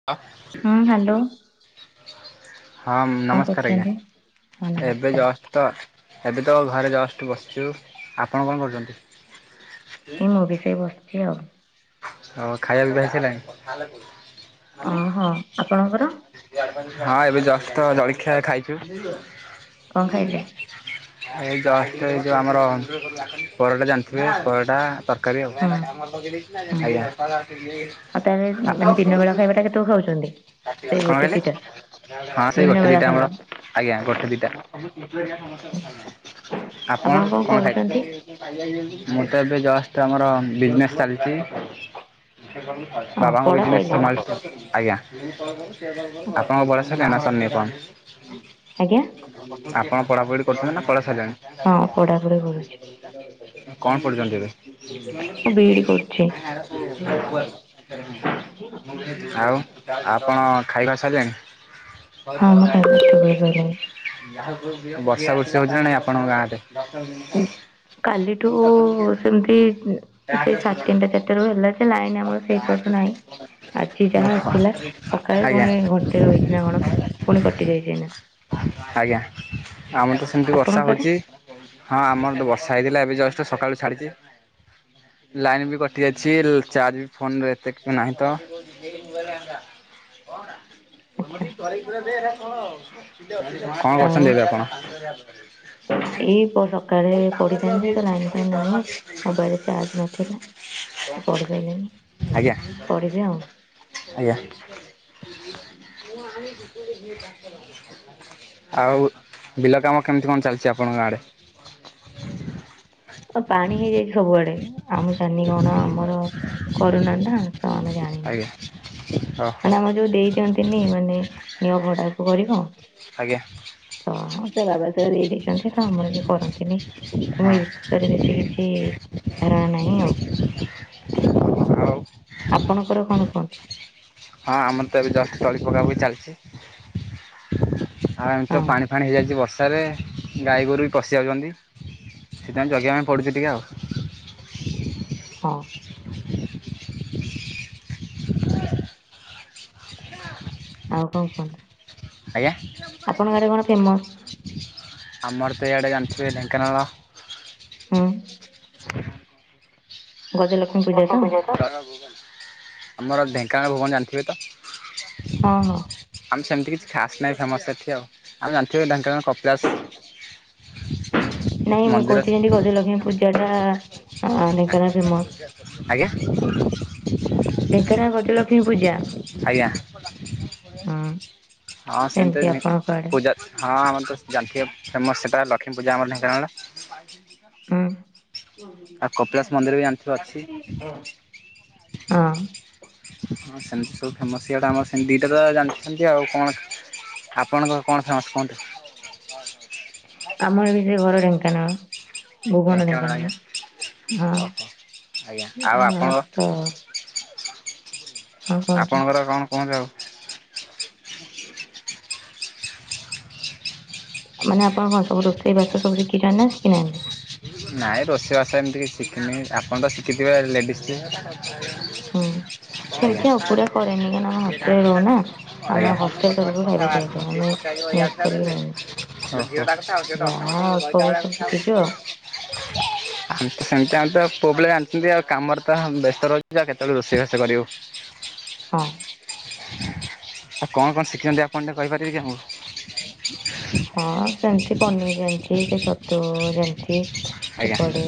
[unintelligible] ହୁଁ ହାଲୋ। ହଁ ନମସ୍କାରେ ଆଜ୍ଞା କରୁଛନ୍ତି? ହଁ ଏବେ ନମସ୍କାର ଜଷ୍ଟ ତ ଏବେ ତ ଘରେ ଜଷ୍ଟ ବସିଛୁ ଆପଣ କଣ କରୁଚନ୍ତି? ଏଇ ମୁଁବି ସେଇ ବସିଚି ଆଉ। ଆଉ ଖାଇବା ପିଇବା ହେଇ ସାରିଲାଣି? ଅଁ ହଁ ଆପଣଙ୍କର? ହଁ ଏବେ ଜଷ୍ଟ ତ ଜଳଖିଆ ଖାଇଚୁ। କଣ ଖାଇଲେ? ଏଇ ଜଷ୍ଟ ଏଇ ଯେଉଁ ଆମର ପରାଟା ଜାଣିଥିଲେ ପରଟା ତର୍ ହଁ [unintelligible] ହଁ ଆଜ୍ଞା। କଣ ଆଉ ତାହେଲେ ମାନେ ଦିନ ବେଳା ଖାଇବା ଟା କେତେବେଳକୁ ଖାଉଛନ୍ତି? ସେଇ ଗୋଟେ କହିଲେ ଦିଟା ହଁ ସେଇ ଦିନ ଗୋଟେ ବେଳା ଦିଇଟା ଆମର ଖାଇବା। ଆଜ୍ଞା ଗୋଟେ ଦିଟା ହୁଁ, ଆପଣ କଣ ଖାଇ ମୁଁ ତ ଏବେ ଜଷ୍ଟ ଆମର ବିଜନେସ୍ ଚାଲିଚି। ହଁ ବାବାଙ୍କ ପଢା ବିଜିନସ୍ ସଇଲାଣି। ସମାଳୁଚି ଆଜ୍ଞା ଆଚ୍ଛା। ଆପଣଙ୍କ ବ ସଇଲାନା ସରିନି ଏପର୍ଯ୍ୟନ୍ତ? ଆଜ୍ଞା ଆପଣ ପଢ଼ାପଢ଼ି କରୁଚନ୍ତିନା ପଢ଼ା ସରିଲାଣି? ହଁ ପଢାପଢି କରୁଛି କଣ ପଢୁଛନ୍ତି ଏବେ? ମୁଁ ବିଇଡ଼ି କରୁ [inaudible] ଆଉ ଆପଣ ଖାଇବା ସଇଲାଣି? ହଁ ମୋ ଖାଇବା ସେତେବେଳେ ସଇଲାଣି। ବର୍ଷା ବୁର୍ଷି ହଉଛିନା ନାଇଁ ଆପଣଙ୍କ ଗାଁରେ? ବର୍ଷା ଦିନ ଉ କାଲିଠୁ ସେମିତି ସେଇ ଟ୍ୟାକ୍ସ ସାଢ଼େ ପୂରଣ ହେବ। ତିନିଟା ଚାରିଟା ରୁ ହେଲାଯେ ସେ ଲାଇନ୍ ଆଉ ଆମର ସେଇପଟୁ ଟ୍ୟାକ୍ସ ନାହିଁ ପୂରଣ ଆଜି ଯାହା ଆସିଲା ସକାଳେ ଆଜ୍ଞା। ପୁଣି ଘଣ୍ଟେ ରହିଚି ନା କଣ ପୁଣି କଟି ଯାଇଚି ଏଇନା। ଆଜ୍ଞା ଆମର ତ ସେମିତି ବର୍ଷା ଆପଣଙ୍କ ଆଡେ ହଉଚି। ହଁ ଆମର ତ ବର୍ଷା ହେଇଥିଲା ଏବେ ଜଷ୍ଟ ସକାଳୁ ଛାଡିଛି ଲାଇନ ବି କଟି ଟି ଅଛି ଚାର୍ଜ ବି ଫୋନରେ ଏତେ ନାହିଁ ତ। ଆଚ୍ଛା। କଣ ଆଉ କରୁଛନ୍ତି ଏବେ ଆପଣ? ଏଇ ପ ସକାଳେ ପଢିଥାନ୍ତି ଯେ ଲାଇନ ପାଇଁନି ନାହିଁ ମୋବାଇଲରେ ଚାର୍ଜ ନ ହେଲା। ଆଜ୍ଞା, ପଢିବି ଆଉ। ଆଜ୍ଞା। [inaudible] ଆଉ ବିଲ କାମ କେମିତି କଣ ଚାଲିଛି ଆପଣଙ୍କ ଆଡ଼େ? ତ ପାଣି ହେଇଯାଇଛି ସବୁଆଡେ ଆମ ଜ୍ଞାନୀଗଣ ଆମର କରନାଟ ତ ଆମେ ଜାଣିନୁ। ଆଜ୍ଞା ଓହୋ ମାନେ ଆମର ଯୋଉ ଦେଇ ଦିଅନ୍ତିନି ମାନେ ନିଆ ଭଡାକୁ କରିବ। ଆଜ୍ଞା। ତ ସେ ବାବା ତ ଦେଇ ଦେଇଛନ୍ତି ତ ଆମର ବି କରନ୍ତିନି। ତ ମୁଁ ହଁ ଏ ବିଷୟରେ ବେଶୀ କିଛି ଧାରଣା ନାହିଁ ଆଉ। ଆଉ। ଆପଣଙ୍କର କଣ କୁହନ୍ତୁ? ହଁ ଆମର ତ ଏବେ ଜଷ୍ଟ ତଳି ପକା ବି ଚାଲିଛି। ଆଉ ଏମିତି ହଁ ତ ପାଣି ଫାଣି ହେଇଯାଇଛି ବର୍ଷ ସାରେ ଗାଈ ଗୋରୁ ବି ପଶିଯାଉଛନ୍ତି ସେଥିପାଇଁ ଜଗିବା ପାଇଁ ପଡ଼ୁଛି ଟିକେ ଆଉ। ହଁ। ଆଉ କଣ କୁହ? ଆଜ୍ଞା ଫେମସ୍ ଆମର ତ ଇଆଡେ ଜାଣିଥିବେ ଢେଙ୍କାନାଳ? ହୁଁ। ଗଜଲକ୍ଷ୍ମୀ ପୂଜା ତ [inaudible] ଆମର ଢେଙ୍କାନାଳ ଭୁବନ ଜାଣିଥିବେ ତ? ହଁ ହଁ। ଆମେ ସେମିତି କିଛି ଖାସ୍ ନାହିଁ ଫେମସ ଏଠି ଆଉ ଆମେ ଜାଣିଥିବେ ଢେଙ୍କାନାଳ କପିଳାସ ନାଇଁ ମୁଁ ମନ୍ଦିର କହୁଛି ଯେମିତି ଗଜଲକ୍ଷ୍ମୀ ପୂଜା ଟା ଅ ଢେଙ୍କାନାଳ ଫେମସ୍। ଆଜ୍ଞା? ଢେଙ୍କାନାଳ ଗଜଲକ୍ଷ୍ମୀ ପୂଜା। ଆଜ୍ଞା। ହୁଁ ସେମିତି ଆପଣଙ୍କ ଆଡେ। ପୂଜା ହଁ ଆମର ତ ଜାଣିଥିବେ ଫେମସ୍ ସେଇଟା ଲକ୍ଷ୍ମୀପୂଜା ଆମର ଢେଙ୍କାନାଳ। [inaudible] ହୁଁ। ଆଉ କପିଳାସ ମନ୍ଦିର ବି ଜାଣିଥିବ ଅଛି। ହଁ ହଁ ସେମିତି ସବୁ ଫେମସ୍ ଇଆଡେ ଆମର ସେମିତି ଦୁଇଟା ତ ଜାଣିଛନ୍ତି ଆଉ କଣ ଆପଣଙ୍କର କଣ ଫେମସ୍ କୁହନ୍ତୁ? ଆମର ବି ସେ ଘର ଢେଙ୍କାନାଳ। ଭୁବନ ଢେଙ୍କାନାଳ ଓହୋ। ଆଜ୍ଞା ଆଉ ହଁ ଆ ଆପଣଙ୍କ ତ ହଁ କୁହନ୍ତୁ ଆପଣଙ୍କର କଣ କୁହନ୍ତୁ ଆଉ। ମାନେ ଆପଣ କଣ ସବୁ ରୋଷେଇ ବାସ ସୁ ଶିଖିଛନ୍ତି ନା ଶଖିନାହାନ୍ତି? ନାଇଁ ରୋଷେଇବାସ ଏମିତି କିଛି ଶିଖିନି ଆପଣ ତ ଶିଖିଥିବେ ଲେଡ଼ିସ୍। [inaudible] ହୁଁ ହଣ ସେମିତି ଆଉ କଥା ପୁରା କରେନି କାରଣ ଆମେ ଅଛିଏ ଯାହା ହଷ୍ଟେଲରେ ରହୁନା। ପଚାରମେ ଆମେ ହଷ୍ଟେଲ ତରଫରୁ ବର୍ତ୍ତମାନ କଥା ଖାଇବା ଦିଆଯାଏ ବାହାରିବ ସିଏ ଆମେ ପଚାରିବଇା ମେସ୍ [inaudible] କରିକି ରହିନୁ। ଝିଅଟା କଥାଉ ଝଟ ଅମ ଯାହା ଗଇ ଅଳ୍ପ ବହୁତ ଭଳିଆ ସବୁ କଥା ହଉ [inaudible] ଶିଖିଛୁ ଆଉ ଆମ ତ ସେମିତି ଆମେ ତ ପୁବବେଳେ ଜଣିଛନ୍ତି ଆଉ କାମରେ ତ ବ୍ୟସ୍ତ ରହୁଛି ଆଉ କେତେବେଳେ ରୋଷେଇ ବାସ କରିବୁ। ହ [inaudible] ହଁ। ଆଉ କଣ କଣ ଶିଖିଛନ୍ତି ଆପଣ ଟେ କହିପାରିବେ କି ଆମକୁ। ହଁ ସେମ୍ତି ପନିର୍ ଜାଣିଛି, ସେ ଛତୁ ଜାଣିଛି ଆଜ୍ଞା ଏପଟେ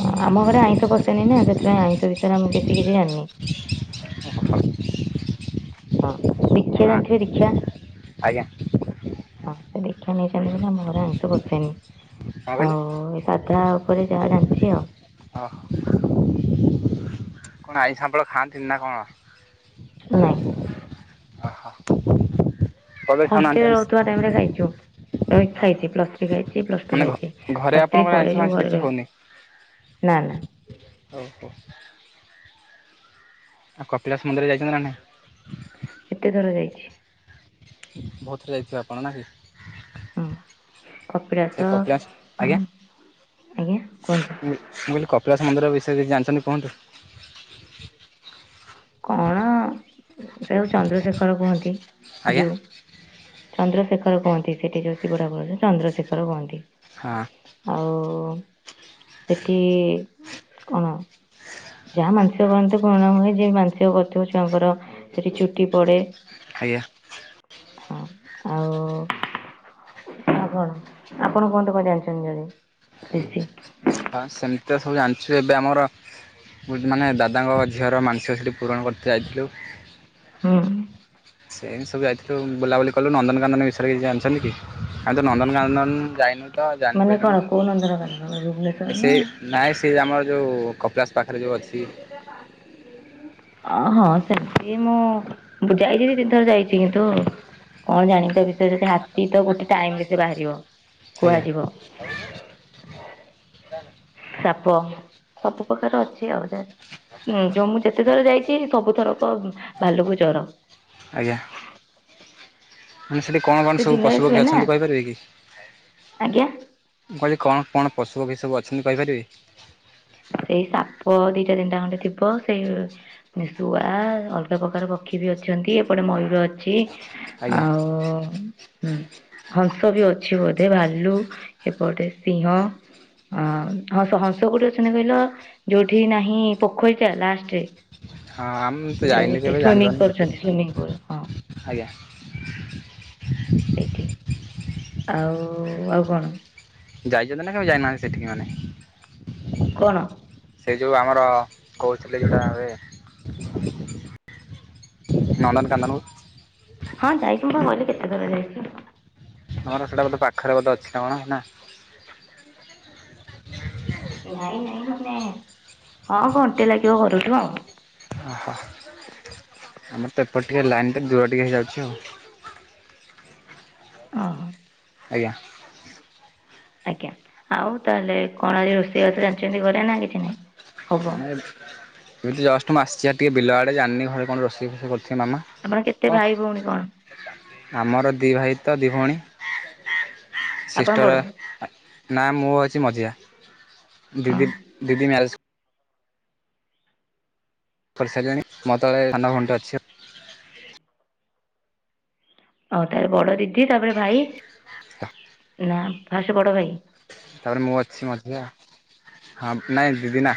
ହଁ ଆମ ଘରେ ଆଇଁଷ ପଶେନି ନା ସେଥିପାଇଁ ଆଇଁଷ ବିଷୟରେ ଆମେ ବେଶୀ କିଛି ଜାଣିନି। ହଁ କଣ ଦୀକ୍ଷା ଜାଣିଥିବେ ଦୀକ୍ଷା। ଆଜ୍ଞା। ହଁ ସେ ଦୀକ୍ଷା ନେଇଛନ୍ତି ବୋଲି ଆମ ଘରେ ଆଇଁଷ କଣ ପ। କହିଲେ? ଆଉ ଏ ସାଧା ଉପରେ ଯାହା ଜାଣିଛି ଆଉ। ଓହ କଣ ଆଇଁଷ ଆପଣ ଖାଆନ୍ତିନି ନା କଣ? ନାଇଁ। ଓହୋ। ହଷ୍ଟେଲରେ ରହୁଥିବା ଟାଇମ୍ ରେ ଖାଇଚୁ। [unintelligible] ଖାଇଚି ପ୍ଲସ୍ ଥ୍ରୀ ଖାଇଚି ପ୍ଲସ୍ ଟୁ ମାନେ ଖାଇଚି ଘରେ ପ୍ଲସ୍ ଥ୍ରୀ ଆପଣଙ୍କର ଆଇଁଷ ପରେ ଯୋଉ ଫାଇଁଷ ଘରେ ରହିଲି ନା-ନା। ହଉ-ହଉ। ଆଉ କପିଳାସ ମନ୍ଦିର ଯାଇଚନ୍ତି ନା ନାଇଁ? କେତେଥର ଯାଇଛି। ବହୁତ୍ ଥର ଯାଇଥିବେ ଆପଣ ନା କି? ହୁଁ ସେ କପିଳାସ ଉଁ ଆଜ୍ଞା ଆଜ୍ଞା କୁହନ୍ତୁ। ମୁଁ କହିଲି କପଳାସ ମନ୍ଦିର ବିଷୟରେ କିଛି ଜାଣିଚନ୍ତି କୁହନ୍ତୁ। କଣ ଯଉ ଚନ୍ଦ୍ରଶେଖର କୁହନ୍ତି ଆଜ୍ଞା ଜିଉ। ଚନ୍ଦ୍ରଶେଖର କୁହନ୍ତି ସେଠି ଯୋଉ ଶିବ ଠାକୁର [unintelligible] ଚନ୍ଦ୍ରଶେଖର କୁହନ୍ତି। ହଁ। ଆଉ ସେଠି କଣ? ଯାହା ମାାନସିକ କରନ୍ତି ପୂରଣା ହୁଏ ଯେ ମାଂସିକ କରଥିବ ଛୁଆଙ୍କର ସେଠି ଚୁଟି ପଡେ। ଆଜ୍ଞା। ହଁ ଆଉ ଆ କଣ ଆପଣ କୁହନ୍ତୁ କଣ ଜାଣିଛନ୍ତି ଯଦି ବେଶୀ। ହଁ ସେମ୍ତି ତ ସବୁ ଜାଣିଛୁ ଏବେ ଆମର ମାନେ ଦାଦାଙ୍କ ଝିଅର ମାନସିକ ସେଠି ପୂରଣ କରି ଯାଇଥିଲୁ। ହୁଁ। ସେମିତି ସବୁ ଯାଇଥିଲୁ ବୁଲାବୁଲି କଲୁ, ନନ୍ଦନକାନନ ବିଷୟରେ କିଛି ଜାଣିଛନ୍ତି କି? ଆମେ ତ ନନ୍ଦନକାନନ ଯାଇନୁ ତ ମାନେ କଣ ଜାଣିପାରିଲୁନି କୋଉ ନନ୍ଦନକାନନ ଆମର ଭୁବନେଶ୍ଵର ଏ ସେ ନା ନାଇଁ ସେ ଆମର ଯୋଉ କପିଳାସ ପାଖେରେ ଯୋଉ ଅଛି। ଅ ହଁ ସେମ୍ତି ମୁଁ ଯାଇଛି ତିନି ଥର ଯାଇଛି କିନ୍ତୁ କଣ ଜାଣିବି ତା ବିଷୟରେ ଯଦି ହାତୀ ତ ଗୋଟେ ଟାଇମ୍ ରେ ସେ ବାହାରିବ ଆଜ୍ଞା କୁହାଯିବ। ସାପ ସବୁ ପ୍ରକାର ଅଛି ଆଉ [unintelligible] ଉଁ ମୁଁ ଯେତେ ଥର ଯାଇଚି ସବୁଥରକ ଭାଲୁକୁ ଜର। ଆଜ୍ଞା। ମାନେ ସେଠି କଣ-କଣ ସେ ସବୁ ଦିନରେ ଶୁଏ ପଶୁପକ୍ଷୀ ନା ଅଛନ୍ତି କହିପାରିବେ କି ଆଜ୍ଞା ମୁଁ କହିଲି କଣ-କଣ ପଶୁ ପକ୍ଷୀ ସବୁ ଅଛନ୍ତି କହିପାରିବେ? ସେଇ ସାପ ଦିଟା ତିନିଟା ଖଣ୍ଡେ ଥିବ ସେଇ ନି ଶୁଆ ଅଲଗା ପ୍ରକାର ପକ୍ଷୀ ବି ଅଛନ୍ତି ଏପଟେ ମୟୂର ଅଛି। ଆଜ୍ଞା ଆଉ ହୁଁ ହଂସ ବି ଅଛି ବୋଧେ ଭାଲୁ ଏପଟେ ସିଂହ ହଁ ହଂସ-ହଂସ କୋଉଠି ଅଛନ୍ତି କହିଲ ଯୋଉଠି ନାହିଁ ପୋଖରୀଟା ଲାଷ୍ଟେ ହଁ ଆମେ ତ ଯୋଉ ଯାଇନୁ ଗୋଟେ କେବେ ସୁଇମିଂ ଜାଣିପାରୁନୁ କରୁଛନ୍ତି ସୁଇମିଂ ପୁଲ୍ ହଁ। ଆଜ୍ଞା। ସେଇଠି। ଆଉ ଆଉ କଣ? ଯାଇଚନ୍ତି ନା କେବେ ଯାଇନାହାନ୍ତି ସେଠିକି ମାନେ? କଣ? ସେଇ ଯୋଉ ଆମର କହୁଥିଲେ ଯୋଉଟା ଏବେ। ନନ୍ଦନକାନନକୁ ହଁ ଯାଇଚି ମୁଁ ପା କହିଲେ କେତେ ଥର ଯାଇଚି। ତମର ସେଟା ବୋଧ ପାଖରେ ବୋଧ ଅଛି ନା କଣ ନା? ନାଇଁ ନାଇଁ ମାନେ ହଁ ଘଣ୍ଟେ ଲାଗିବ ଘରଠୁ ଆଉ। ଓହ ଆମର ତ ଏପଟେ ଟିକେ ଲାଇନଟା ଦୂର ଟିକେ ହେଇଯାଉଛି ଆଉ। ଓହୋ। ଆଜ୍ଞା। ଆଜ୍ଞା ଆଉ ତାହେଲେ କଣ ଆଳି ରୋଷେଇ ବାସ ରାନ୍ଧିଛନ୍ତି ଘରେ ନା କିଛି ନାହିଁ? ହବ ନା ଏ ଏମିତି ଜଷ୍ଟ ମୁଁ ଆସଚି ଭାରି ଟିକେ ବିଲ ଆଡେ ଜାଣନି ଘରେ କଣ ରୋଷେଇ ଫୋଷେଇ କରୁଥିବେ ମାମା। ଆପଣ କେତେ କଣ ଭାଇ ଭୋଉଣୀ କଣ? ଆମର ଦିଇ ଭାଇ ତ ଦିଇ ଭୋଉଣୀ। ଆପଣ ସିଷ୍ଟର ବଡ଼? ଆ ନାଁ ମୁଁ ହୋଉଚି ମଝିଆଁ। ହଁ ଦିଦି ଦିଦି ମ୍ୟାରେଜ କରିସାରିଲାଣି ମୋ ତଳେ ସାନ ଭଉଣୀଟେ ଅଛି ଆ। ଓ ତାହାଲେ ବଡ ଦିଦି ତାପରେ ଭାଇ। [unintelligible] ନା ଫାଷ୍ଟେ ବଡ ଭାଇ? ତାପରେ ମୁଁ ଅଛି ମଝିଆଁ ହଁ ନାଇଁ ଦିଦି ନା।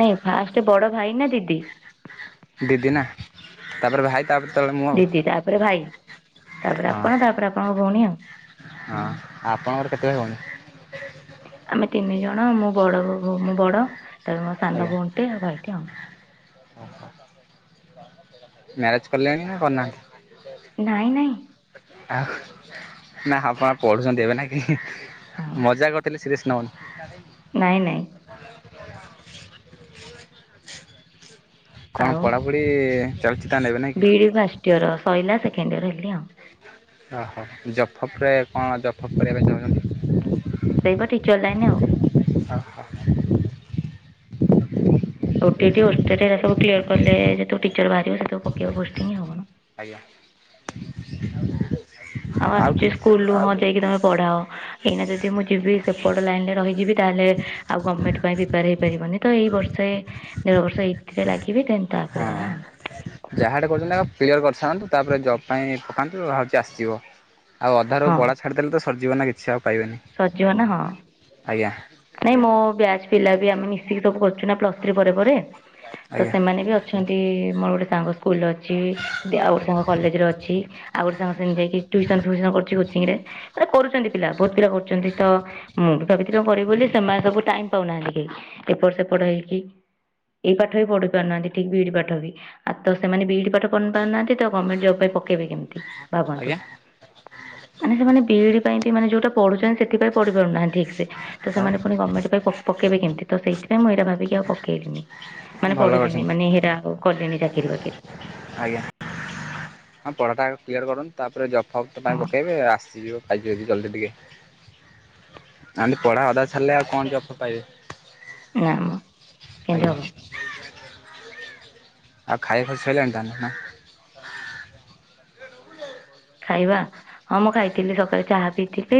ନାଇଁ ଫାଷ୍ଟେ ବଡ ଭାଇ ନା ଦିଦି? ଦିଦି ନା ତାପରେ ଭାଇ ତାପରେ ତଳେ ମୁଁ ଆଉ ଦିଦି ତାପରେ ଭାଇ ତାପରେ ହଁ ଆପଣ ତାପରେ ଆପଣଙ୍କ ଭୋଉଣୀ ଆଉ ହୁଁ। ହଁ ଆପଣଙ୍କର କେତେ ଭାଇ ଭୋଉଣୀ? ଆମେ ତିନି ଜଣ ମୁଁ ବଡ ବୋଉ ଭୋ ମୁଁ ବଡ ତାପରେ ମୋ ସାନ ଭୋଉଣୀଟେ ଆଉ ଭାଇଟେ ଆଉ। ଓହୋ। ମ୍ୟାରେଜ୍ କଲେଣି ନା କରିନାହାନ୍ତି? ନାଇଁ ନାଇଁ। ଆଉ ନା ଆପଣ ପଢୁଛନ୍ତି ଏବେ ନା କି ହଁ ମଜା କରୁଥିଲି ସିରିଏସ୍ ନବନି। ନାଇଁ ନାଇଁ। କଣ ପଢାପଢି ଚାଲିଚି ତାନେ ଏବେ ନା ବିଇଡି ଫାଷ୍ଟ ଇଅର ସଇଲା ସେକେଣ୍ଡ ଇଅର ହେଲି ଆଉ। ଓହୋ ଜବ ଫବରେ କଣ ଜବ ଫବ କରିବାକୁ ଚାହୁଁଛନ୍ତି? ସେଇପା ଟିଚର ଲାଇନ ଆଉ। ଅହ। ଓ ଟି ଇ ଟି, ଓଷ୍ଟେଟ୍ ଏରା ସବୁ କ୍ଳିଅର କଲେ ଯେତୋକୁ ଟିଚର ବାହାରିବ ସେତୋକୁ ପକେଇବ ପୋଷ୍ଟିଂ ଆଉ କଣ। ଆଜ୍ଞା। ଆଉ ଆସୁଚି ସ୍କୁଲରୁୁ ହଁ ଯାଇକି ତମେ ପଢାଅ। ଏଇନା ଯଦି ମୁଁ ଯିବି ସେପଟ ଲାଇନରେ ରହିଯିବି ତାହେଲେ ଆଉ ଗମେଣ୍ଟ ପାଇଁ ପ୍ରିପାର ହେଇପାରିବନି। ତ ଏଇ ବର୍ଷେ ଦେଢ ବର୍ଷ ଏଇଥିରେ ଲାଗିବି ଦେନ୍ ତାପରେ ହାଁ ଯାହା ଆଉ। ଯାହାଟେ କରୁଚନ୍ତି ଆଗ କ୍ଲିଅର କରିସାରନ୍ତୁ ତାପରେ ଜବ ପାଇଁ ପକାନ୍ତୁ ହାଉଚି ଆସିଯିବ। ଆଉ ଅଧାରୁ ବଳା ଛାଡ଼ିଦେଲେ ତ ସରିଯିବ ନା କିଛି ଆଉ ପାଇବେନି। ସରଯିବ ନା ହଁ। ଆଜ୍ଞା ନାଇଁ ମୋ ବ୍ୟାଚ୍ ପିଲା ବି ଆମେ ମିଶିକି ସବୁ କରୁଚୁନା ପ୍ଲସ ଥ୍ରୀ ପରେ ପରେ ତ ଆଜ୍ଞା। ସେମାନେ ବି ଅ ଅଛନ୍ତି ମୋର ଗୋଟେ ସାଙ୍ଗ ସ୍କୁଲରେ ଅଛି ଦେ ଆଉ ଗୋଟେ ସାଙ୍ଗ କଲେଜରେ ଅଛି। ଆଉ ଗୋଟେ ସାଙ୍ଗ ସେମତି ଯାଇକ ଟୁଇସନ ଫିଉସନ କରୁଚି କୋଚିଂରେ ଏଟା କରୁଚନ୍ତି ପିଲା ବୋହୁତ ପିଲା କରୁ ଚନ୍ତି ତ ମୁଁ ବି ଭାବିଥିଲି କଣ କରିବି ବୋଲି ସେମାନେ ସବୁ ଟାଇମ ପାଉନାହାନ୍ତି କେହି। ଏପଟ ସେପଟ ହେଇକି ଏଇ ପାଠ ବି ପଢି ପାରୁନାହାନ୍ତି ଠିକ ବିଇଡି ପାଠ ବି ଆଉ ତ ସେମାନେ ବିଇଡି ପାଠ ପନ୍‌ ପାର ନାହାନ୍ତି ତ ଗମେଣ୍ଟ ଜବ ପାଇଁ ପକେଇବେ କେମତି ଭାବନ୍ତୁ। ଆଜ୍ଞା ମାନେ ସେମାନେ ବି ଇ ଡ଼ି ପାଇଁ ବି ମାନେ ଯୋଉଟା ପଢୁଛନ୍ତି ସେଥିପାଇଁ ପଢି ପାରୁନାହାନ୍ତି ଠିକ ସେ ତ ଆଉ ସେମାନେ ପୁଣି ଗର୍ଣମେଣ୍ଟ ପାଇଁ ପ ପକେଇବେ କେମିତି ତ ସେଇଥିପାଇଁ ମୁଁ ଏଇଟା ଭାବିକି ଆଉ ପକେଇଲିନି ମାନେ ଭଲ ପଢିଲିନି କରିଛନ୍ତି ମାନେ ହେଟାଉ କଲିନି ଚାକିରି ବାକିରି ଆଜ୍ଞା ହଁ ପଢା ଟା କ୍ଲିୟର କରନ୍ତୁ ତାପରେ ଜବ୍ ଫବ୍ ପାଇଁ ହଁ ପକେଇବେ ଆସିଯିବ। [unintelligible] [unintelligible] ଟିକେ ଆନ୍ତି ପଢା ଅଧା ସାରିଲେ ଆଉ କଣ କି ଅଫର ପାଇବେ। ନାମ କେନ୍ତି ଆଜ୍ଞା। ହବ। ଆଉ ଖାଇବା ଶଇଲାନି ନା। ଖାଇବା ହଁ ମୁଁ ଖାଇଥିଲି ସକାଳେ ଚାହା। ପିଥିଲି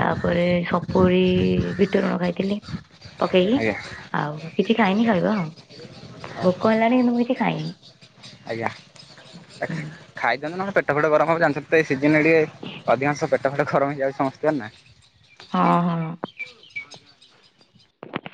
ତାପରେ ସପୁରି ବିଟରଣ ଖାଇଥିଲି। ପକେଇକି ଆଜ୍ଞା ଆଉ କିଛି ଖାଇନି ଖାଇବା ଆଉ ଭୋକ ହେଲାଣି ମୁଁ କିନ୍ତୁ କିଛି ଖାଇନି। ହୁଁ [unintelligible] ଖାଇଦିନ୍ତୁ ନହେଲେ ପେଟ ଫେଟ ଗରମ ହବ ଜାଣିଛନ୍ତି ତ ଏ ସେ ସିଜନ ଟିକେ ଅଧିକାଂଶ ପେଟ ଗରମ ହେଇଯାଉଛି ସମସ୍ତେଙ୍କର ନା ହଁ ହଁ।